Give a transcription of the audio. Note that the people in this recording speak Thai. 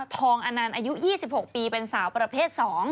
ออนันต์อายุ๒๖ปีเป็นสาวประเภท๒